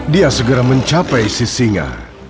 dia segera mencapai sisinga